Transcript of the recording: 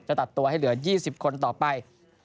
ตัดตัวให้เหลือ๒๐คนต่อไป